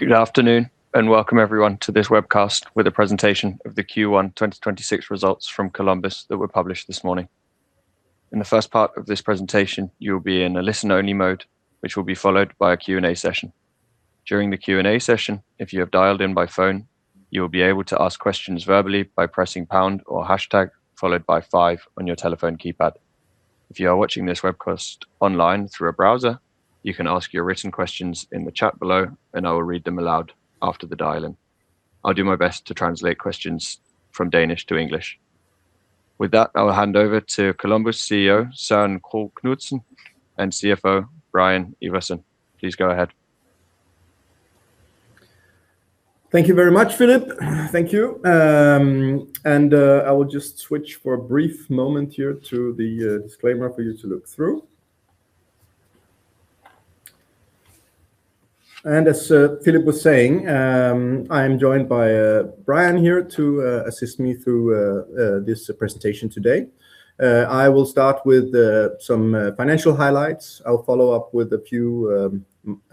Good afternoon, and welcome everyone to this webcast with a presentation of the Q1 2026 results from Columbus that were published this morning. In the first part of this presentation, you'll be in a listen-only mode, which will be followed by a Q and A session. During the Q and A session, if you have dialed in by phone, you'll be able to ask questions verbally by pressing pound or hashtag, followed by five on your telephone keypad. If you are watching this webcast online through a browser, you can ask your written questions in the chat below, and I will read them aloud after the dial-in. I'll do my best to translate questions from Danish to English. With that, I'll hand over to Columbus CEO, Søren Krogh Knudsen, and CFO, Brian Iversen. Please go ahead. Thank you very much, Philip. Thank you. I will just switch for a brief moment here to the disclaimer for you to look through. As Philip was saying, I am joined by Brian here to assist me through this presentation today. I will start with some financial highlights. I'll follow up with a few,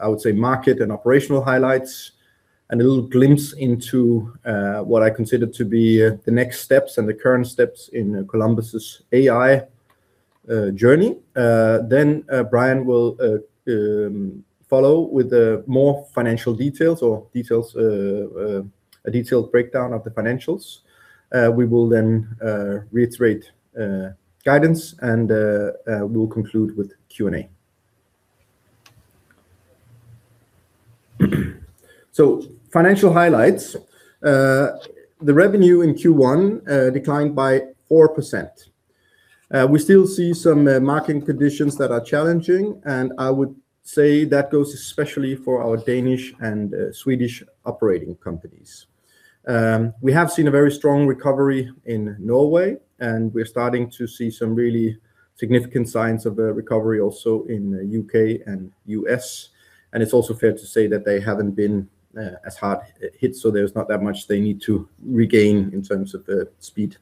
I would say, market and operational highlights, and a little glimpse into what I consider to be the next steps and the current steps in Columbus's AI journey. Then Brian will follow with more financial details or details, a detailed breakdown of the financials. We will then reiterate guidance, we'll conclude with Q and A. Financial highlights. The revenue in Q1 declined by 4%. We still see some market conditions that are challenging, and I would say that goes especially for our Danish and Swedish operating companies. We have seen a very strong recovery in Norway, and we're starting to see some really significant signs of a recovery also in U.K. and U.S. It's also fair to say that they haven't been as hard hit, so there's not that much they need to regain in terms of the speed.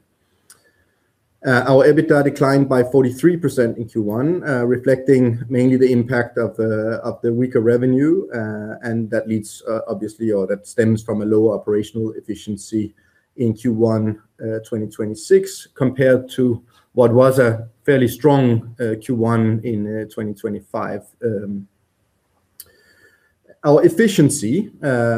Our EBITDA declined by 43% in Q1, reflecting mainly the impact of the weaker revenue. That leads, obviously, or that stems from a lower operational efficiency in Q1 2026 compared to what was a fairly strong Q1 in 2025. Our efficiency,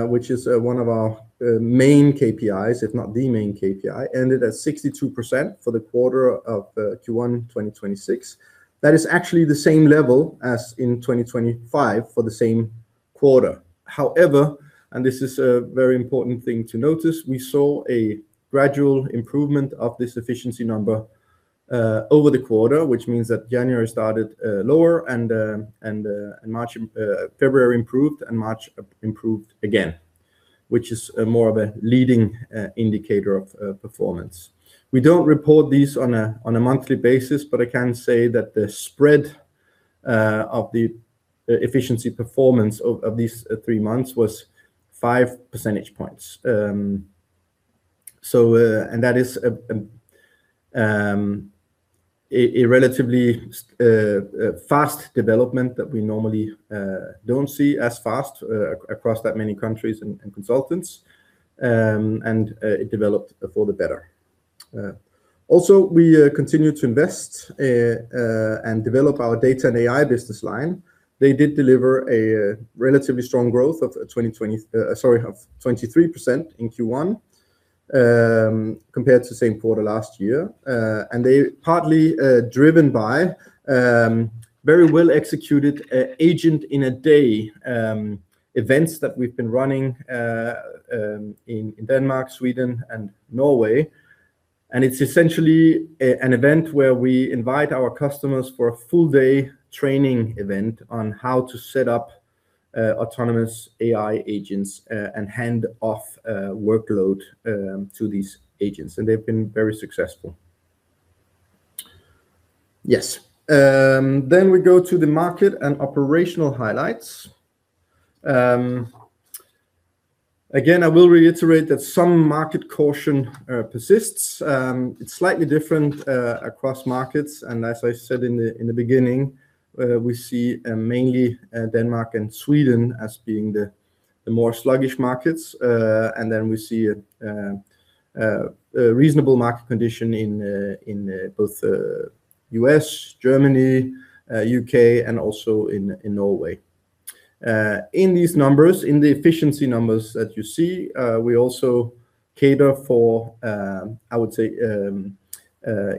which is one of our main KPIs, if not the main KPI, ended at 62% for the quarter of Q1 2026. That is actually the same level as in 2025 for the same quarter. However, this is a very important thing to notice, we saw a gradual improvement of this efficiency number over the quarter, which means that January started lower, and February improved, and March improved again, which is more of a leading indicator of performance. We don't report these on a monthly basis, but I can say that the spread of the efficiency performance of these three months was 5 percentage points. And that is a relatively fast development that we normally don't see as fast across that many countries and consultants. It developed for the better. Also, we continue to invest and develop our Data & AI business line. They did deliver a relatively strong growth of 23% in Q1 compared to the same quarter last year. They partly driven by very well-executed Agent in a Day events that we've been running in Denmark, Sweden, and Norway. It's essentially an event where we invite our customers for a full-day training event on how to set up autonomous AI agents and hand off workload to these agents, and they've been very successful. Yes. We go to the market and operational highlights. Again, I will reiterate that some market caution persists. It's slightly different across markets, as I said in the beginning, we see mainly Denmark and Sweden as being the more sluggish markets. We see a reasonable market condition in both U.S., Germany, U.K., and also in Norway. In these numbers, in the efficiency numbers that you see, we also cater for, I would say,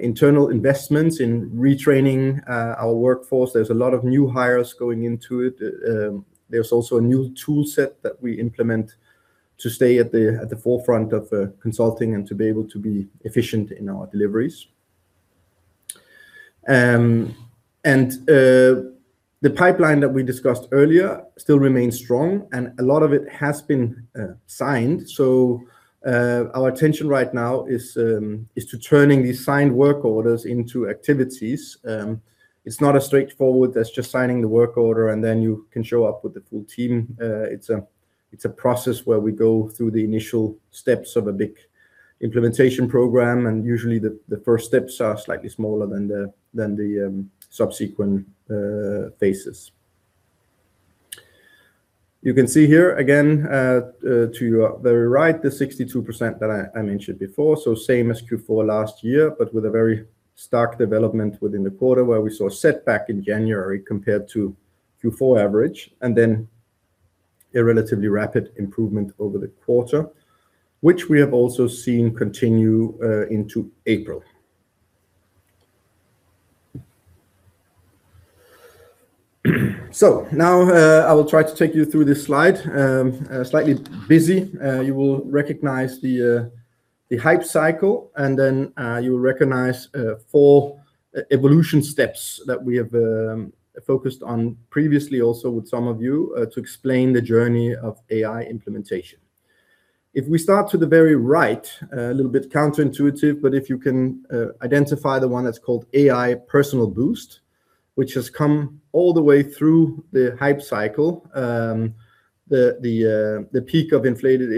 internal investments in retraining our workforce. There's a lot of new hires going into it. There's also a new tool set that we implement to stay at the forefront of consulting and to be able to be efficient in our deliveries. The pipeline that we discussed earlier still remains strong, and a lot of it has been signed. Our attention right now is to turning these signed work orders into activities. It's not as straightforward as just signing the work order, and then you can show up with the full team. It's a process where we go through the initial steps of a big implementation program, and usually the first steps are slightly smaller than the subsequent phases. You can see here again, to your very right, the 62% that I mentioned before. Same as Q4 last year, but with a very stark development within the quarter where we saw a setback in January compared to Q4 average, and then a relatively rapid improvement over the quarter, which we have also seen continue into April. Now, I will try to take you through this slide. Slightly busy. You will recognize the hype cycle, and then, you will recognize four e-evolution steps that we have focused on previously also with some of you to explain the journey of AI implementation. If we start to the very right, a little bit counterintuitive, but if you can identify the one that's called AI personal boost, which has come all the way through the hype cycle, the peak of inflated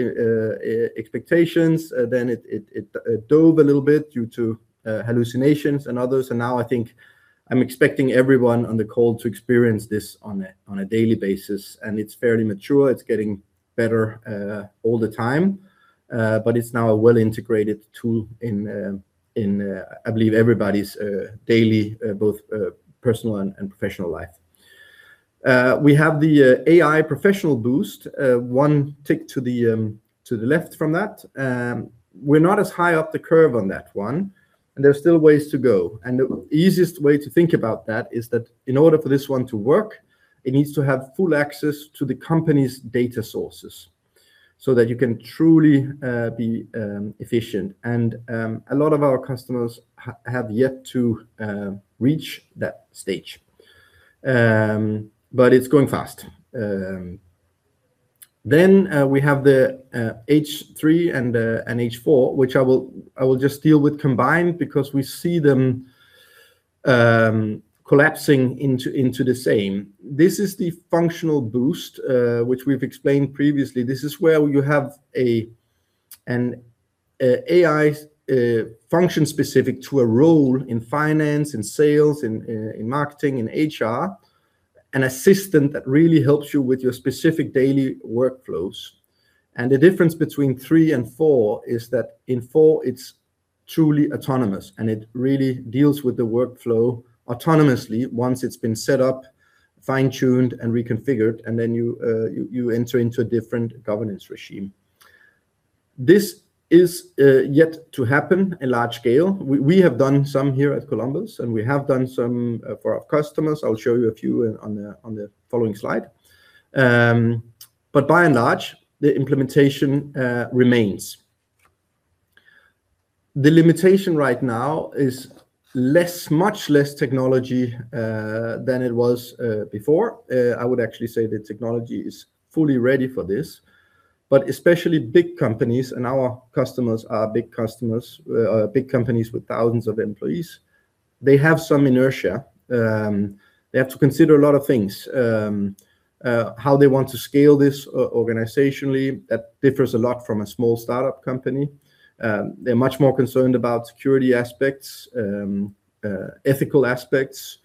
expectations, then it dove a little bit due to hallucinations and others. Now I think I'm expecting everyone on the call to experience this on a daily basis, and it's fairly mature. It's getting better all the time. It's now a well-integrated tool in I believe everybody's daily both personal and professional life. We have the AI professional boost one tick to the left from that. We're not as high up the curve on that one, there's still ways to go. The easiest way to think about that is that in order for this one to work, it needs to have full access to the company's data sources so that you can truly be efficient. A lot of our customers have yet to reach that stage. But it's going fast. Then, we have the H3 and the H 4, which I will just deal with combined because we see them collapsing into the same. This is the functional boost, which we've explained previously. This is where you have an AI function specific to a role in finance, in sales, in marketing, in HR, an assistant that really helps you with your specific daily workflows. The difference between 3 and 4 is that in 4, it's truly autonomous, and it really deals with the workflow autonomously once it's been set up, fine-tuned, and reconfigured, then you enter into a different governance regime. This is yet to happen in large scale. We have done some here at Columbus, and we have done some for our customers. I'll show you a few on the following slide. By and large, the implementation remains. The limitation right now is less, much less technology than it was before. I would actually say the technology is fully ready for this. Especially big companies, and our customers are big customers, big companies with thousands of employees, they have some inertia. They have to consider a lot of things. How they want to scale this organizationally, that differs a lot from a small startup company. They're much more concerned about security aspects, ethical aspects.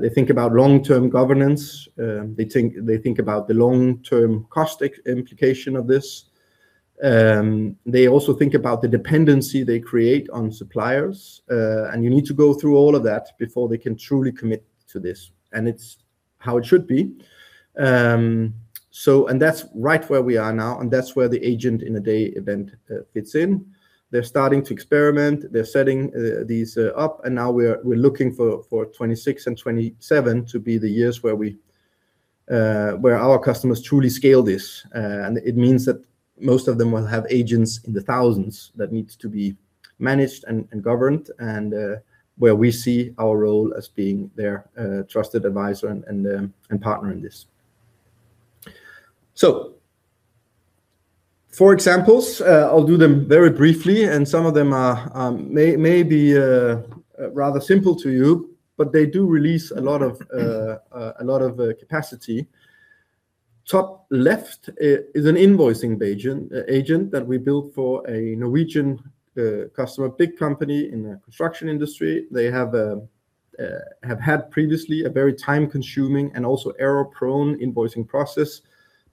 They think about long-term governance. They think about the long-term cost implication of this. They also think about the dependency they create on suppliers. You need to go through all of that before they can truly commit to this, and it's how it should be. That's right where we are now, and that's where the Agent in a Day event fits in. They're starting to experiment. They're setting these up, now we're looking for 26 and 27 to be the years where we, where our customers truly scale this. It means that most of them will have agents in the thousands that needs to be managed and governed, where we see our role as being their trusted advisor and partner in this. Four examples, I'll do them very briefly. Some of them may be rather simple to you, but they do release a lot of a lot of capacity. Top left is an invoicing agent that we built for a Norwegian customer, big company in the construction industry. They have had previously a very time-consuming and also error-prone invoicing process,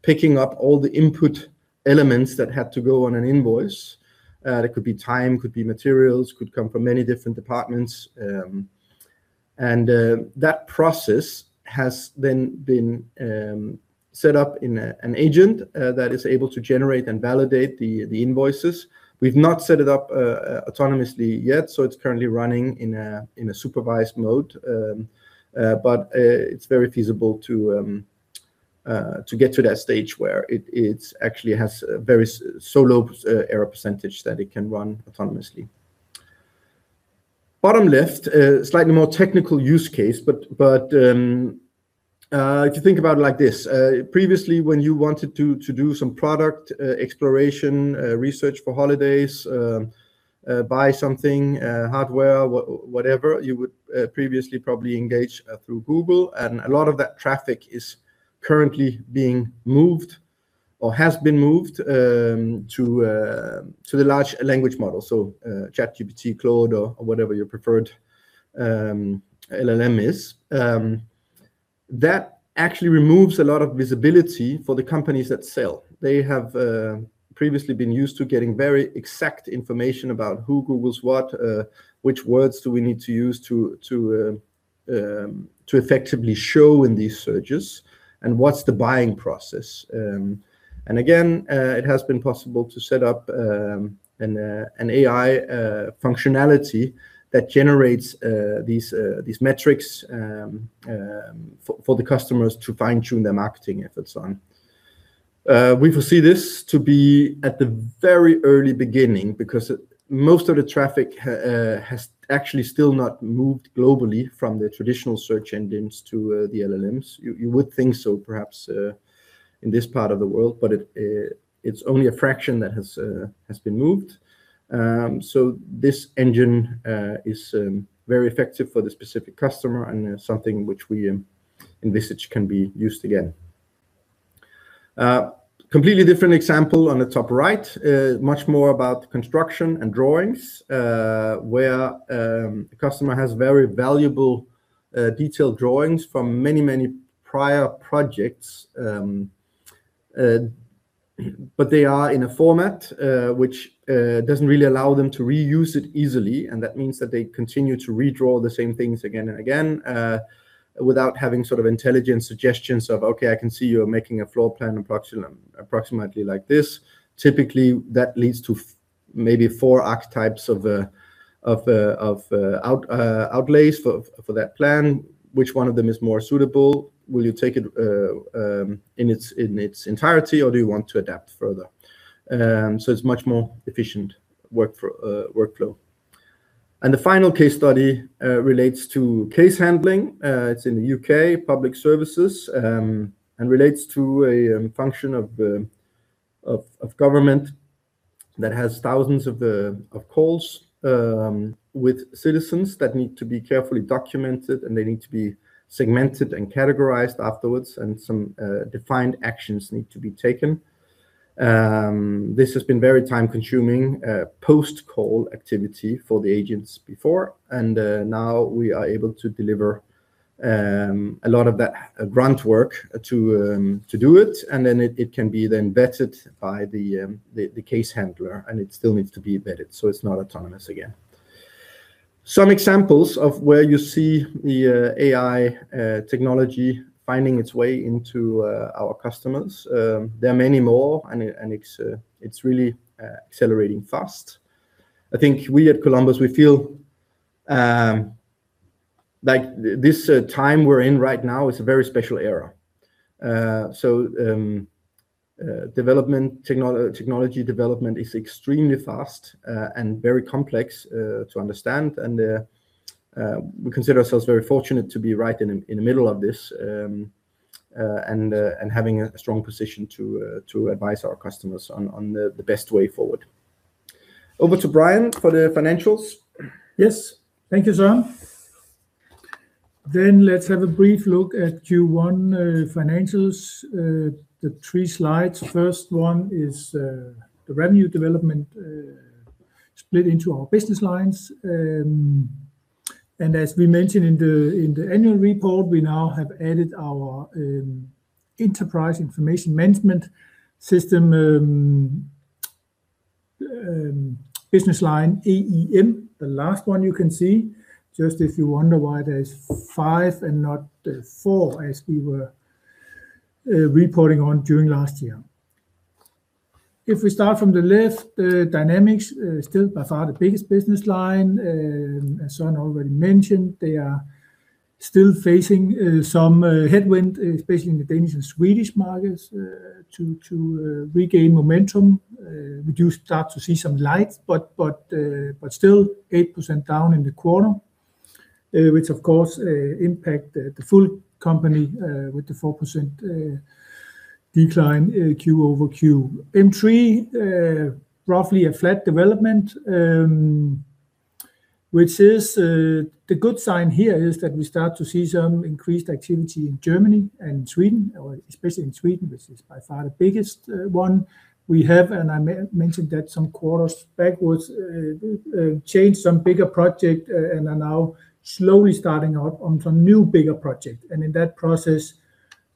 picking up all the input elements that had to go on an invoice. That could be time, could be materials, could come from many different departments. That process has then been set up in an agent that is able to generate and validate the invoices. We've not set it up autonomously yet, so it's currently running in a supervised mode. It's very feasible to get to that stage where it actually has a very low error percentage that it can run autonomously. Bottom left, slightly more technical use case, if you think about it like this, previously when you wanted to do some product exploration, research for holidays, buy something hardware, whatever, you would previously probably engage through Google, and a lot of that traffic is currently being moved or has been moved to the large language model. ChatGPT, Claude, or whatever your preferred LLM is. That actually removes a lot of visibility for the companies that sell. They have previously been used to getting very exact information about who Googles what, which words do we need to use to effectively show in these searches, and what's the buying process. Again, it has been possible to set up an AI functionality that generates these metrics for the customers to fine-tune their marketing efforts on. We foresee this to be at the very early beginning because most of the traffic has actually still not moved globally from the traditional search engines to the LLMs. You would think so perhaps, in this part of the world, but it's only a fraction that has been moved. This engine is very effective for the specific customer and something which we envisage can be used again. Completely different example on the top right, much more about construction and drawings, where a customer has very valuable, detailed drawings from many, many prior projects. They are in a format which doesn't really allow them to reuse it easily, and that means that they continue to redraw the same things again and again, without having sort of intelligent suggestions of, "Okay, I can see you're making a floor plan approximately like this. Typically, that leads to maybe four archetypes of outlays for that plan. Which one of them is more suitable? Will you take it in its entirety, or do you want to adapt further? It's much more efficient workflow. The final case study relates to case handling. It's in the U.K., public services, and relates to a function of government that has thousands of calls with citizens that need to be carefully documented, and they need to be segmented and categorized afterwards, and some defined actions need to be taken. This has been very time-consuming post-call activity for the agents before. Now we are able to deliver a lot of that grunt work to do it, and then it can be vetted by the case handler, and it still needs to be vetted, so it's not autonomous again. Some examples of where you see the AI technology finding its way into our customers. There are many more and it's really accelerating fast. I think we at Columbus, we feel like this time we're in right now is a very special era. Technology development is extremely fast and very complex to understand. We consider ourselves very fortunate to be right in the middle of this, and having a strong position to advise our customers on the best way forward. Over to Brian for the financials. Yes. Thank you, Søren. Let's have a brief look at Q1 financials. The three slides. First one is the revenue development, split into our business lines. As we mentioned in the annual report, we now have added our Enterprise Information Management System business line, EIM, the last one you can see. Just if you wonder why there's five and not four as we were reporting on during last year. If we start from the left, Dynamics, still by far the biggest business line. As Søren already mentioned, they are still facing some headwind, especially in the Danish and Swedish markets, to regain momentum. We do start to see some light, but still 8% down in the quarter, which of course, impact the full company, with the 4% decline Q over Q. M3, roughly a flat development, which is, the good sign here is that we start to see some increased activity in Germany and Sweden, or especially in Sweden, which is by far the biggest, one we have. I mentioned that some quarters backwards, changed some bigger project, and are now slowly starting out on some new bigger project. In that process,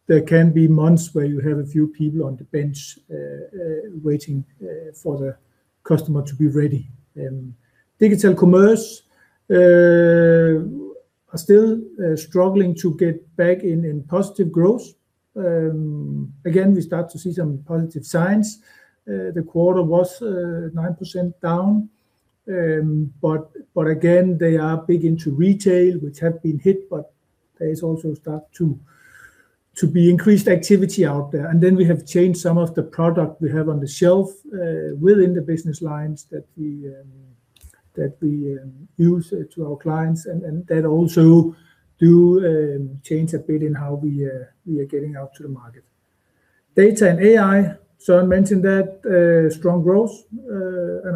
there can be months where you have a few people on the bench, waiting, for the customer to be ready. Digital Commerce are still struggling to get back in positive growth. Again, we start to see some positive signs. The quarter was 9% down. Again, they are big into retail, which have been hit, but there is also start to be increased activity out there. Then we have changed some of the product we have on the shelf within the business lines that we use to our clients and that also do change a bit in how we are getting out to the market. Data & AI, Søren mentioned that, strong growth.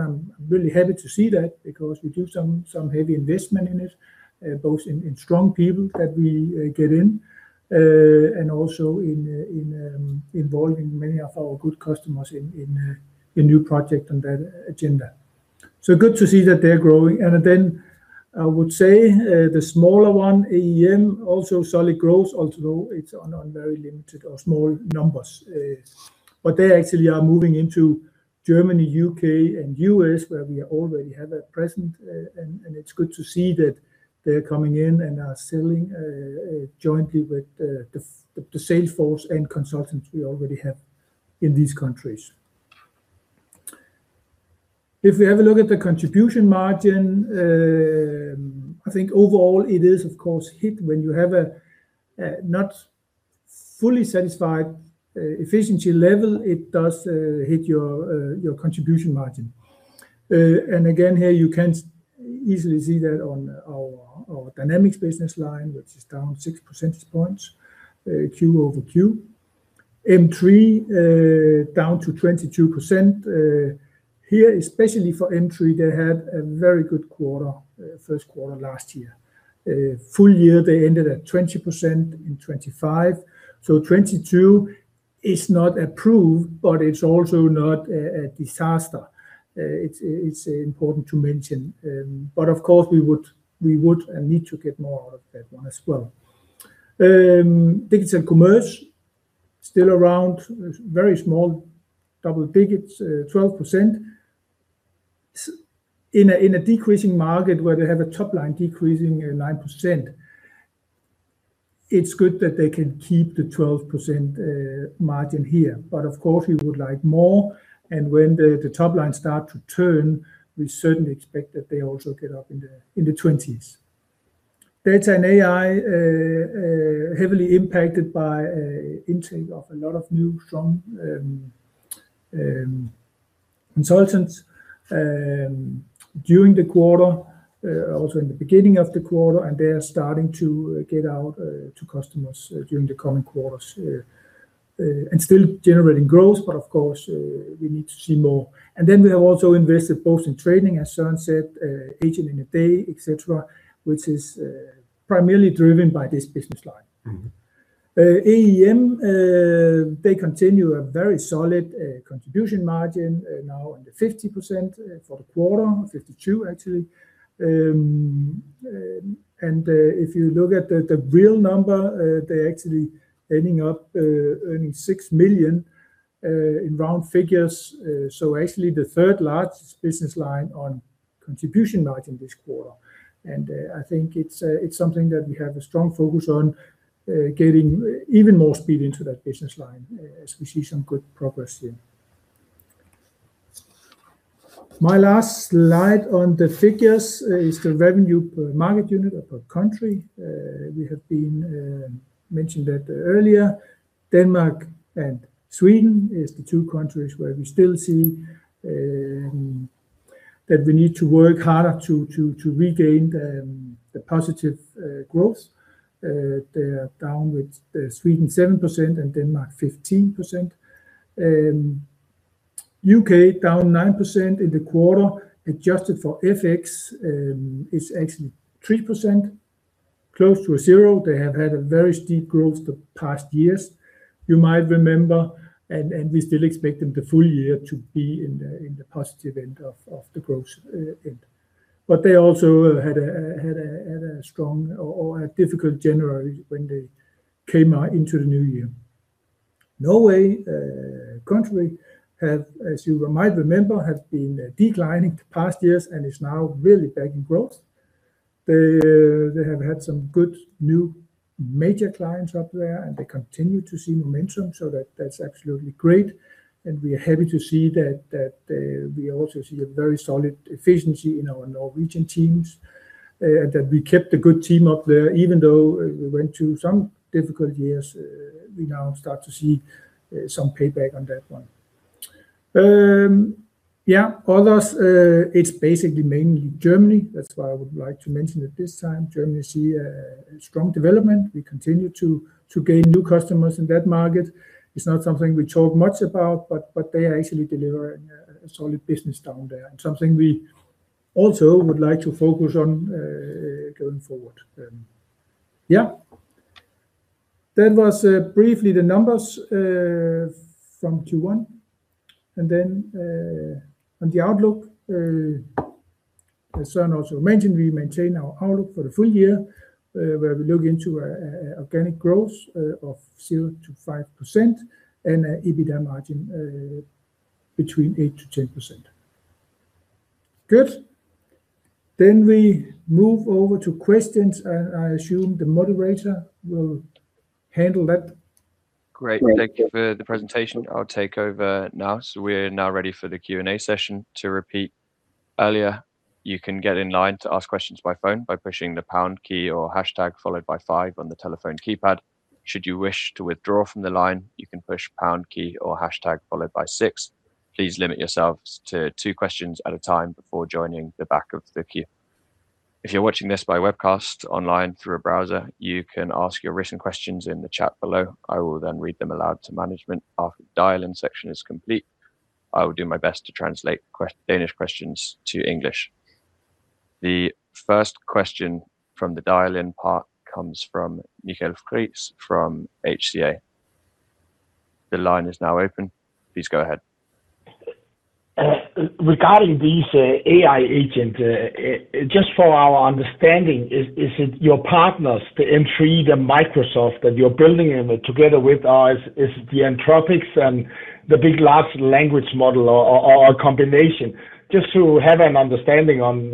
I'm really happy to see that because we do some heavy investment in it, both in strong people that we get in, and also in involving many of our good customers in new project on that agenda. Good to see that they're growing. I would say, the smaller one, EIM, also solid growth, although it's on very limited or small numbers. They actually are moving into Germany, U.K., and U.S., where we already have a presence. It's good to see that they're coming in and are selling jointly with the sales force and consultants we already have in these countries. If we have a look at the contribution margin, I think overall it is of course hit when you have a not fully satisfied efficiency level, it does hit your your contribution margin. Again, here you can easily see that on our Dynamics business line, which is down 6 percentage points quarter-over-quarter. M3 down to 22%. Here, especially for M3, they had a very good quarter, first quarter last year. Full year they ended at 20% and 25%. 22% is not approved, but it's also not a disaster. It's important to mention. Of course we would and need to get more out of that one as well. Digital Commerce, still around, very small double digits, 12%. In a decreasing market where they have a top line decreasing 9%, it's good that they can keep the 12% margin here. Of course we would like more, and when the top line start to turn, we certainly expect that they also get up in the 20%s. Data & AI heavily impacted by intake of a lot of new strong consultants during the quarter, also in the beginning of the quarter, and they are starting to get out to customers during the coming quarters. Still generating growth, but of course, we need to see more. We have also invested both in training, as Søren said, Agent in a Day, et cetera, which is primarily driven by this business line. EIM, they continue a very solid contribution margin, now in the 50% for the quarter, 52% actually. If you look at the real number, they're actually ending up earning 6 million in round figures. Actually the third-largest business line on contribution margin this quarter. I think it's something that we have a strong focus on getting even more speed into that business line, as we see some good progress here. My last slide on the figures is the revenue per market unit or per country. We have been mentioned that earlier. Denmark and Sweden is the two countries where we still see that we need to work harder to regain the positive growth. They are down with Sweden 7% and Denmark 15%. U.K. down 9% in the quarter. Adjusted for FX, it's actually 3%, close to a zero. They have had a very steep growth the past years, you might remember, and we still expect them the full year to be in the positive end of the growth end. They also had a strong or a difficult January when they came out into the new year. Norway, country have, as you might remember, have been declining the past years and is now really back in growth. They have had some good new major clients up there, and they continue to see momentum, so that's absolutely great. We are happy to see that we also see a very solid efficiency in our Norwegian teams, that we kept a good team up there even though we went through some difficult years. We now start to see some payback on that one. Yeah, others, it's basically mainly Germany. That's why I would like to mention it this time. Germany see a strong development. We continue to gain new customers in that market. It's not something we talk much about, but they are actually delivering a solid business down there, and something we also would like to focus on going forward. Yeah. That was briefly the numbers from Q1. On the outlook, as Søren also mentioned, we maintain our outlook for the full year, where we look into a organic growth of 0%-5% and an EBITDA margin between 8%-10%. Good. We move over to questions, and I assume the moderator will handle that. Great. Thank you for the presentation. I'll take over now. We're now ready for the Q and A session. To repeat earlier, you can get in line to ask questions by phone by pushing the pound key or hashtag followed by five on the telephone keypad. Should you wish to withdraw from the line, you can push pound key or hashtag followed by six. Please limit yourselves to two questions at a time before joining the back of the queue. If you're watching this by webcast online through a browser, you can ask your written questions in the chat below. I will read them aloud to management after the dial-in section is complete. I will do my best to translate Danish questions to English. The first question from the dial-in part comes from Michael Friis from HCA. The line is now open. Please go ahead. Regarding these AI agent, just for our understanding, is it your partners, the M3, the Microsoft that you're building in together with, is the Anthropic and the big large language model or a combination? Just to have an understanding on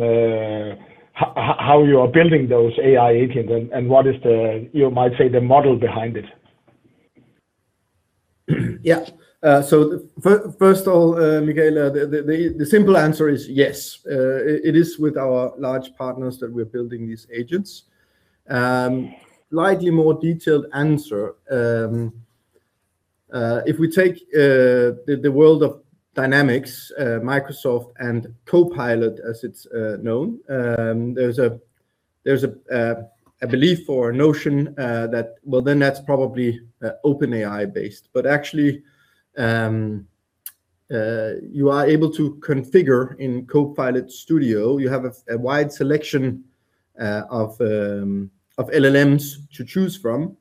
how you are building those AI agents and what is the, you might say, the model behind it. Yeah. First of all, Michael, the simple answer is yes. It is with our large partners that we're building these agents. Slightly more detailed answer, if we take the world of Dynamics, Microsoft and Copilot, as it's known, there's a belief or a notion that that's probably OpenAI based. Actually, you are able to configure in Copilot Studio, you have a wide selection of LLMs to choose from,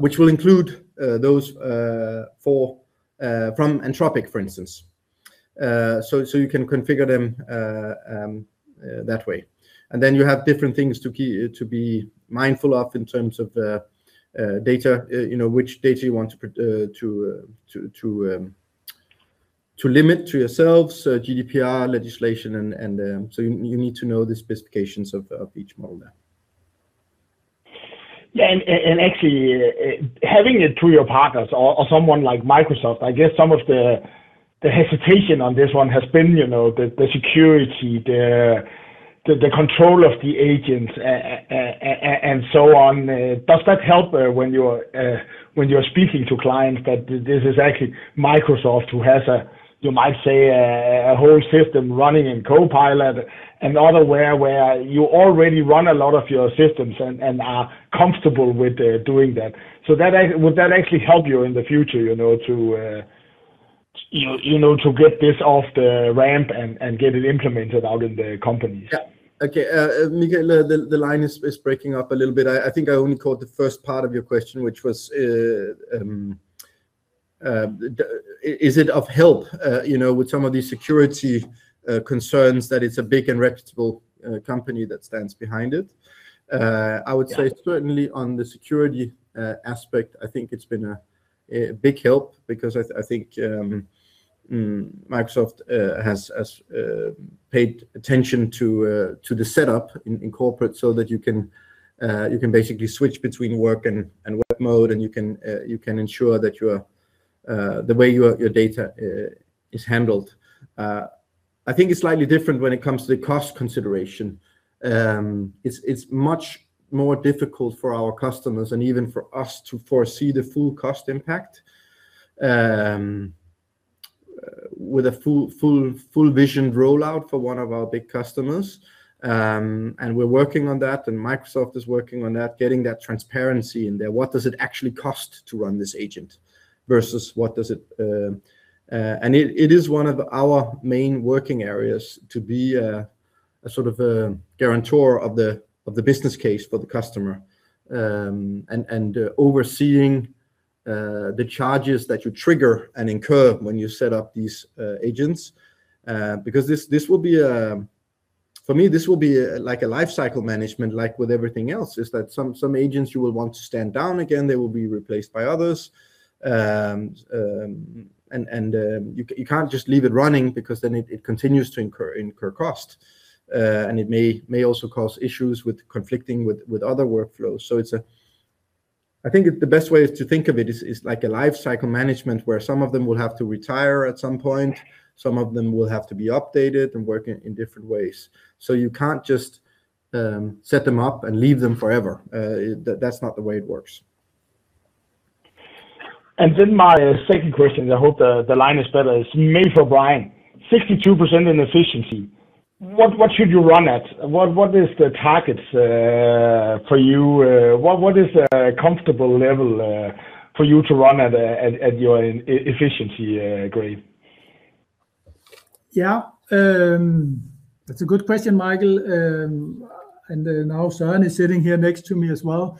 which will include those for from Anthropic, for instance. You can configure them that way. You have different things to be mindful of in terms of data, you know, which data you want to limit to yourselves, GDPR legislation and, so you need to know the specifications of each model there. Yeah, actually, having it through your partners or someone like Microsoft, I guess some of the hesitation on this one has been, you know, the security, the, the control of the agents and so on. Does that help when you're speaking to clients that this is actually Microsoft who has a, you might say a whole system running in Copilot and other where you already run a lot of your systems and are comfortable with doing that? Would that actually help you in the future, you know, to, you know, to get this off the ramp and get it implemented out in the companies? Yeah. Okay. Michael, the line is breaking up a little bit. I think I only caught the first part of your question, which was, is it of help, you know, with some of these security concerns that it's a big and reputable company that stands behind it? Yeah I would say certainly on the security aspect, I think it's been a big help because I think Microsoft has paid attention to the setup in corporate so that you can basically switch between work and work mode, and you can ensure that your the way your data is handled. I think it's slightly different when it comes to the cost consideration. It's much more difficult for our customers and even for us to foresee the full cost impact with a full visioned rollout for one of our big customers. We're working on that, and Microsoft is working on that, getting that transparency in there. What does it actually cost to run this agent versus what does it? It is one of our main working areas to be a sort of a guarantor of the business case for the customer and overseeing the charges that you trigger and incur when you set up these agents. Because this will be a, for me, like a lifecycle management, like with everything else, is that some agents you will want to stand down again, they will be replaced by others. You can't just leave it running because then it continues to incur cost. It may also cause issues with conflicting with other workflows. I think the best way is to think of it is like a lifecycle management where some of them will have to retire at some point, some of them will have to be updated and work in different ways. You can't just set them up and leave them forever. That's not the way it works. My second question, I hope the line is better, is maybe for Brian. 62% in efficiency. What should you run at? What is the targets for you? What is a comfortable level for you to run at your e-efficiency grade? Yeah. That's a good question, Michael. Now Søren is sitting here next to me as well.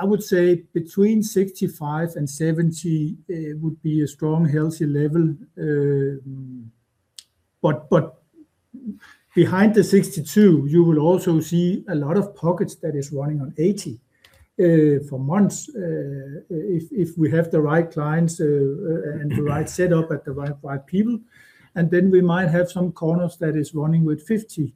I would say between 65% and 70% would be a strong, healthy level. Behind the 62%, you will also see a lot of pockets that is running on 80% for months. If we have the right clients and the right setup at the right people. Then we might have some corners that is running with 50%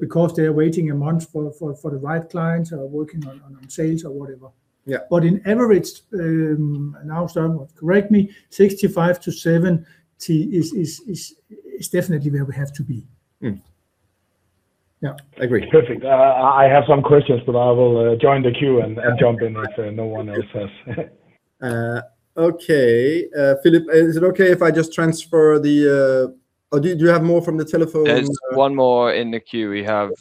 because they are waiting a month for the right clients or working on sales or whatever. Yeah. On average, now Søren correct me, 65%-70% is definitely where we have to be. Yeah. Agree. Perfect. I have some questions, but I will join the queue and jump in if no one else has. Philip, is it okay if I just transfer the, or do you have more from the telephone? There's one more in the queue. Right.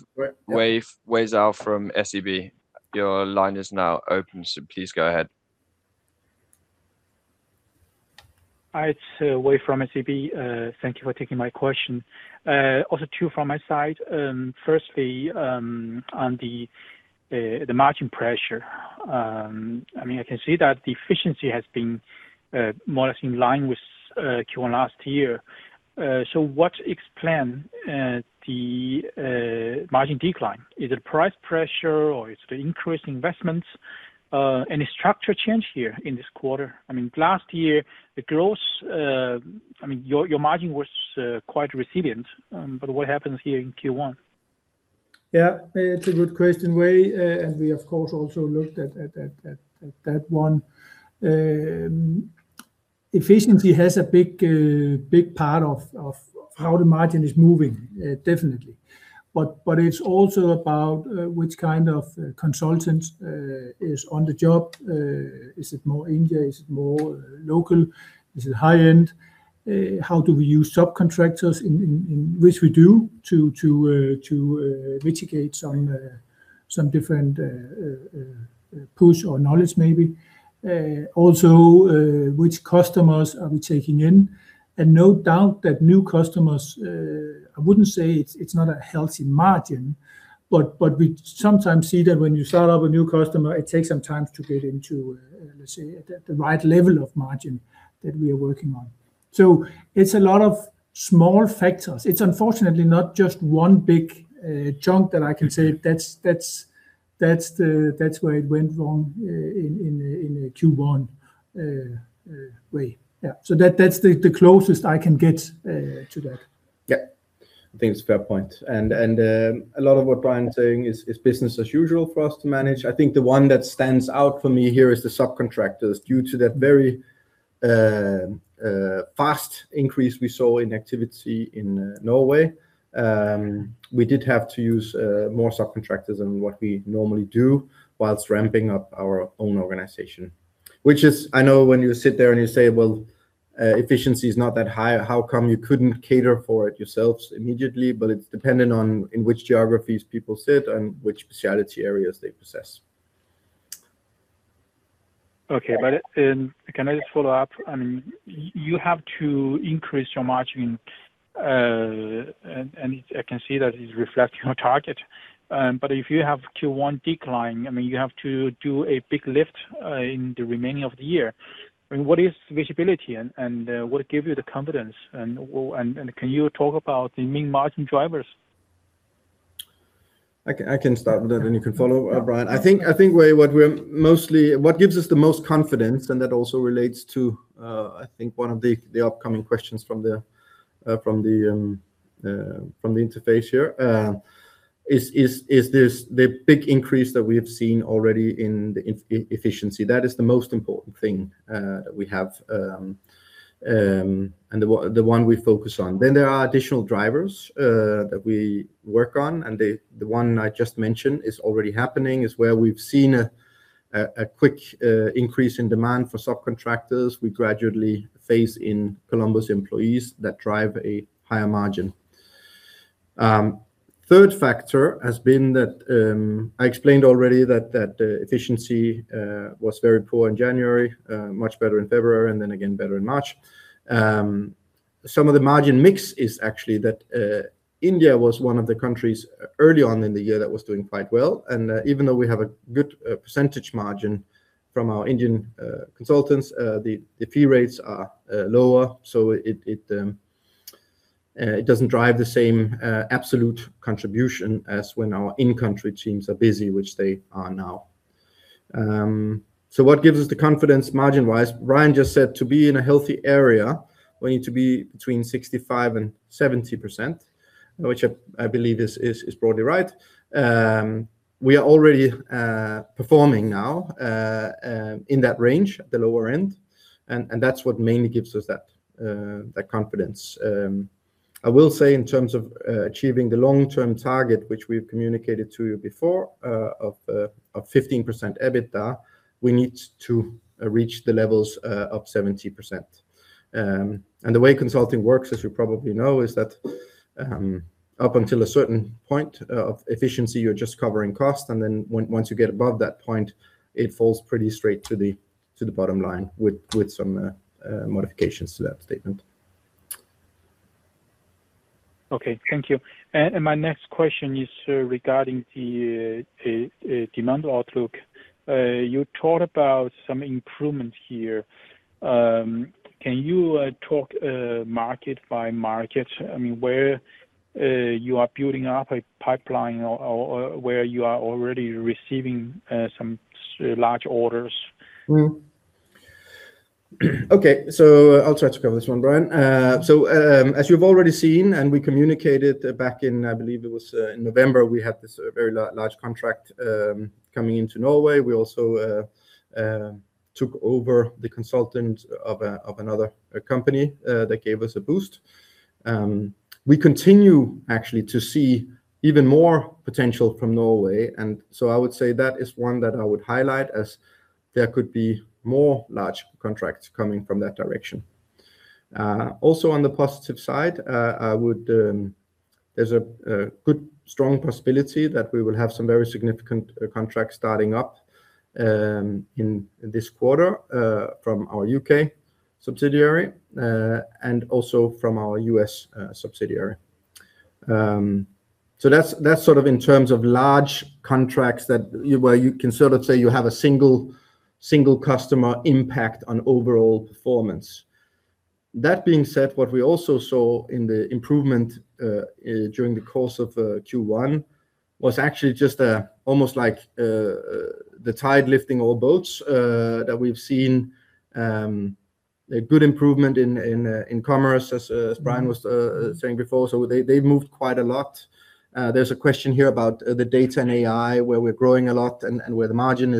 Yeah Yiwei Zhou from SEB. Your line is now open, so please go ahead. It's Yiwei from SEB. Thank you for taking my question. Also two from my side. Firstly, on the margin pressure. I mean, I can see that the efficiency has been more or less in line with Q1 last year. What explain the margin decline? Is it price pressure or is it increased investments? Any structure change here in this quarter? I mean, last year the growth, I mean your margin was quite resilient, but what happens here in Q1? Yeah. It's a good question, Yiwei. We of course also looked at that one. Efficiency has a big part of how the margin is moving, definitely. It's also about which kind of consultant is on the job. Is it more India? Is it more local? Is it high-end? How do we use subcontractors in which we do to mitigate some different push or knowledge maybe. Also, which customers are we taking in? No doubt that new customers, I wouldn't say it's not a healthy margin, but we sometimes see that when you start up a new customer, it takes some time to get into the right level of margin that we are working on. It's a lot of small factors. It's unfortunately not just one big chunk that I can say that's where it went wrong in Q1, Yiwei. Yeah. That's the closest I can get to that. Yeah. I think it's a fair point. A lot of what Brian's saying is business as usual for us to manage. I think the one that stands out for me here is the subcontractors. Due to that very fast increase we saw in activity in Norway, we did have to use more subcontractors than what we normally do whilst ramping up our own organization. Which is, I know when you sit there and you say, "Well, efficiency is not that high. How come you couldn't cater for it yourselves immediately?" It's dependent on in which geographies people sit and which specialty areas they possess. Okay. Can I just follow up? I mean, you have to increase your margin, and it I can see that it's reflecting on target. If you have Q1 decline, I mean, you have to do a big lift in the remaining of the year. I mean, what is the visibility and, what give you the confidence and can you talk about the main margin drivers? I can start with that, then you can follow up, Brian. I think, Yiwei, What gives us the most confidence, and that also relates to, I think one of the upcoming questions from the interface here, is this, the big increase that we have seen already in the efficiency. That is the most important thing that we have and the one we focus on. There are additional drivers that we work on, the one I just mentioned is already happening, is where we've seen a quick increase in demand for subcontractors we gradually phase in Columbus employees that drive a higher margin. Third factor has been that I explained already that efficiency was very poor in January, much better in February, and then again better in March. Some of the margin mix is actually that India was one of the countries early on in the year that was doing quite well, and even though we have a good percentage margin from our Indian consultants, the fee rates are lower, so it doesn't drive the same absolute contribution as when our in-country teams are busy, which they are now. What gives us the confidence margin-wise? Brian just said to be in a healthy area, we need to be between 65% and 70%, which I believe is broadly right. We are already performing now in that range at the lower end, and that's what mainly gives us that confidence. I will say in terms of achieving the long-term target, which we've communicated to you before, of 15% EBITDA, we need to reach the levels of 70%. The way consulting works, as you probably know, is that up until a certain point of efficiency, you're just covering cost, and then once you get above that point, it falls pretty straight to the bottom line with some modifications to that statement. Okay. Thank you. My next question is regarding the demand outlook. You talked about some improvements here. Can you talk market by market? I mean, where you are building up a pipeline or where you are already receiving large orders? Okay. I'll try to cover this one, Brian. As you've already seen, and we communicated back in, I believe it was in November, we had this very large contract coming into Norway. We also took over the consultant of another company that gave us a boost. We continue actually to see even more potential from Norway. I would say that is one that I would highlight as there could be more large contracts coming from that direction. Also on the positive side, there's a good strong possibility that we will have some very significant contracts starting up in this quarter from our U.K. subsidiary and also from our U.S. subsidiary. That's sort of in terms of large contracts that, where you can sort of say you have a single customer impact on overall performance. That being said, what we also saw in the improvement during the course of Q1 was actually just almost like the tide lifting all boats. That we've seen a good improvement in Commerce, as Brian was saying before. They moved quite a lot. There's a question here about the Data & AI where we're growing a lot and where the margin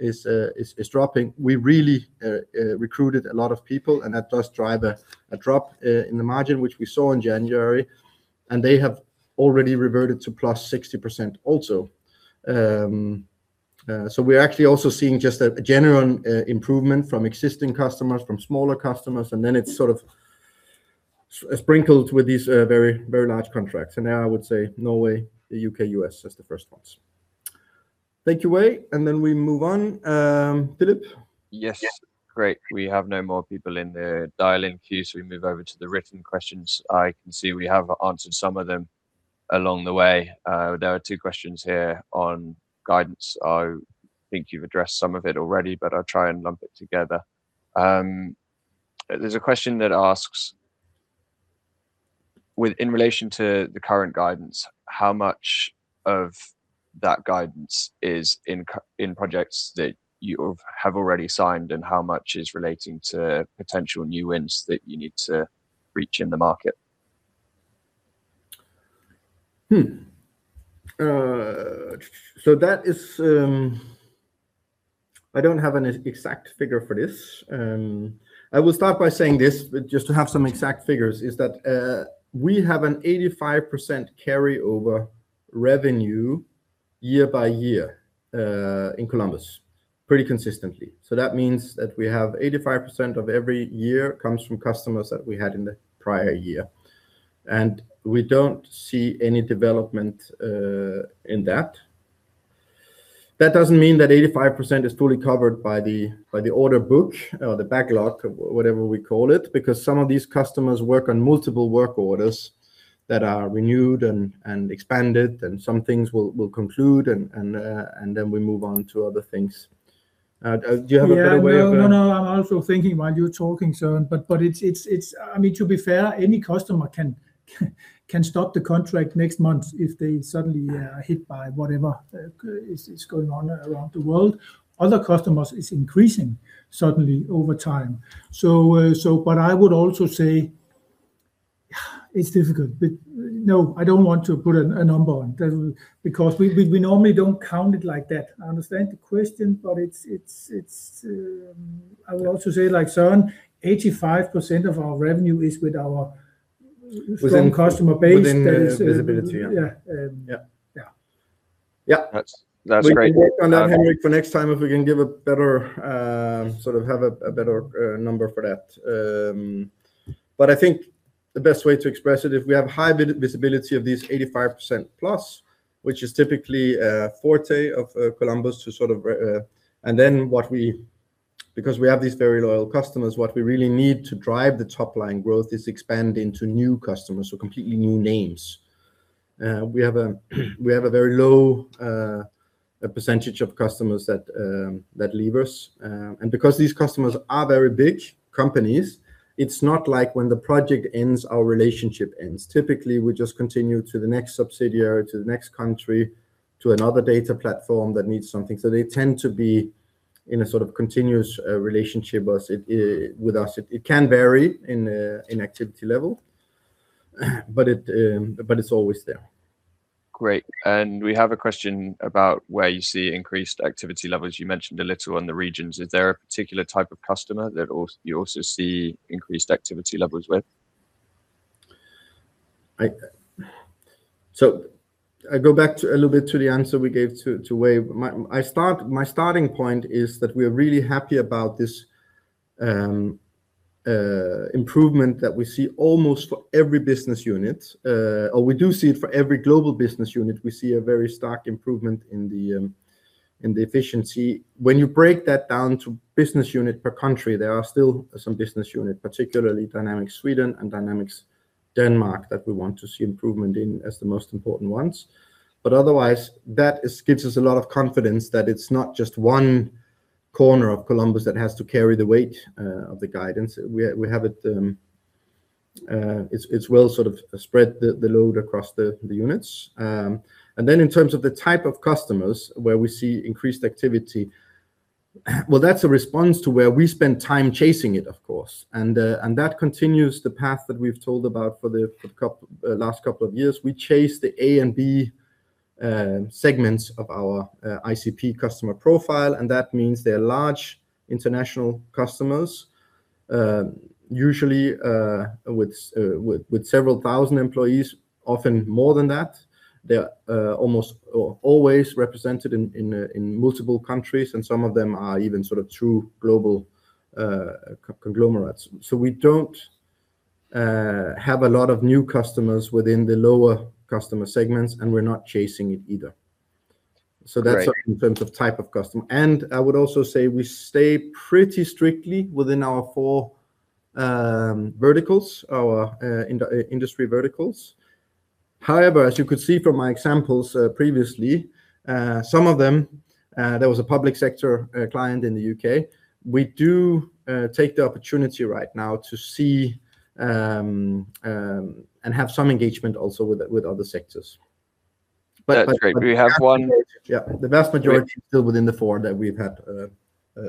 is dropping. We really recruited a lot of people, and that does drive a drop in the margin, which we saw in January, and they have already reverted to +60% also. We're actually also seeing just a general improvement from existing customers, from smaller customers, and then it's sort of sprinkled with these very, very large contracts. Now I would say Norway, the U.K., U.S. as the first ones. Thank you, Yiwei. We move on. Philip? Yes. Yeah. Great. We have no more people in the dial-in queue. We move over to the written questions. I can see we have answered some of them along the way. There are two questions here on guidance. I think you've addressed some of it already. I'll try and lump it together. There's a question that asks, in relation to the current guidance, how much of that guidance is in projects that you have already signed, and how much is relating to potential new wins that you need to reach in the market? That is, I don't have an exact figure for this. I will start by saying this, but just to have some exact figures, is that we have an 85% carryover revenue year by year in Columbus, pretty consistently. That means that we have 85% of every year comes from customers that we had in the prior year, and we don't see any development in that. That doesn't mean that 85% is fully covered by the order book or the backlog, or whatever we call it, because some of these customers work on multiple work orders that are renewed and expanded, and some things will conclude and then we move on to other things. Do you have a better way of? Yeah. No, no, I'm also thinking while you're talking, Søren. It's, I mean, to be fair, any customer can stop the contract next month if they suddenly are hit by whatever is going on around the world. Other customers is increasing suddenly over time. I would also say, it's difficult. No, I don't want to put a number on. That because we normally don't count it like that. I understand the question, it's, I would also say, like Søren, 85% of our revenue is with our strong customer base. Within visibility. Yeah. Yeah. Yeah. Yeah. That's great. We can work on that, Henrik, for next time if we can give a better, sort of have a better number for that. I think the best way to express it, if we have high visibility of these 85% plus, which is typically a forte of Columbus. What we, because we have these very loyal customers, what we really need to drive the top line growth is expand into new customers, so completely new names. We have a very low percentage of customers that leave us. Because these customers are very big companies, it's not like when the project ends, our relationship ends. Typically, we just continue to the next subsidiary, to the next country, to another data platform that needs something. They tend to be in a sort of continuous relationship with us. It can vary in activity level, but it's always there. Great. We have a question about where you see increased activity levels. You mentioned a little on the regions. Is there a particular type of customer that you also see increased activity levels with? I go back a little bit to the answer we gave to Yiwei. My starting point is that we're really happy about this improvement that we see almost for every business unit. We do see it for every global business unit. We see a very stark improvement in the efficiency. When you break that down to business unit per country, there are still some business unit, particularly Dynamics Sweden and Dynamics Denmark, that we want to see improvement in as the most important ones. Otherwise, that is, gives us a lot of confidence that it's not just one corner of Columbus that has to carry the weight of the guidance. We have it's well sort of spread the load across the units. Then in terms of the type of customers where we see increased activity, well, that's a response to where we spend time chasing it, of course. That continues the path that we've told about for the last couple of years. We chase the A and B segments of our ICP customer profile, that means they're large international customers, usually with several thousand employees, often more than that. They're almost or always represented in multiple countries, some of them are even sort of true global conglomerates. We don't have a lot of new customers within the lower customer segments, we're not chasing it either. Right. That's in terms of type of customer. I would also say we stay pretty strictly within our four verticals, our industry verticals. However, as you could see from my examples, previously, some of them, there was a public sector client in the U.K. We do take the opportunity right now to see and have some engagement also with other sectors. That's great. We have one- Yeah, the vast majority- Great still within the four that we've had,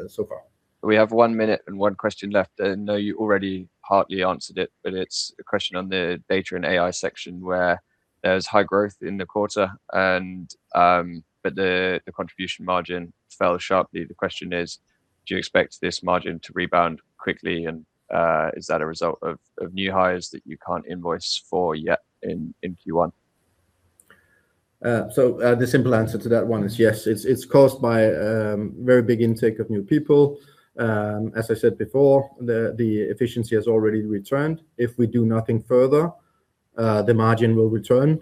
so far. We have one minute and one question left. I know you already partly answered it, but it's a question on the Data & AI section where there's high growth in the quarter, but the contribution margin fell sharply. The question is, do you expect this margin to rebound quickly? Is that a result of new hires that you can't invoice for yet in Q1? The simple answer to that one is yes. It's caused by very big intake of new people. As I said before, the efficiency has already returned. If we do nothing further, the margin will return,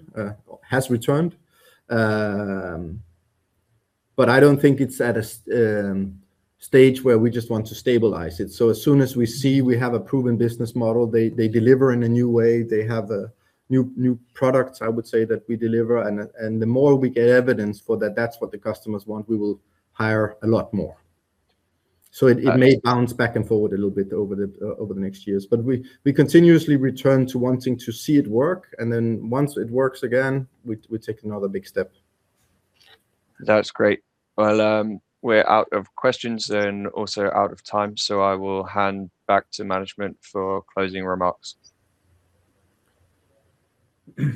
has returned. I don't think it's at a stage where we just want to stabilize it. As soon as we see we have a proven business model, they deliver in a new way, they have new products, I would say, that we deliver and the more we get evidence for that's what the customers want, we will hire a lot more. Right. It may bounce back and forward a little bit over the next years. We continuously return to wanting to see it work. Once it works again, we take another big step. That's great. Well, we're out of questions and also out of time. I will hand back to management for closing remarks.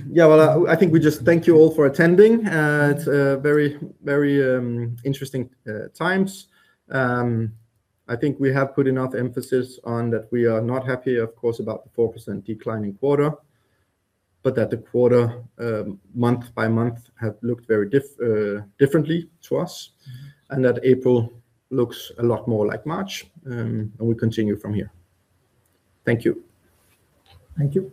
Yeah. Well, I think we just thank you all for attending. It's very, very interesting times. I think we have put enough emphasis on that we are not happy, of course, about the 4% decline in quarter, but that the quarter month-by-month have looked very differently to us, and that April looks a lot more like March, and we continue from here. Thank you. Thank you.